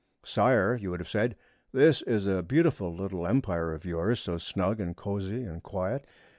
'Sire,' you would have said, 'this is a beautiful little empire of yours, so snug and cosy and quiet.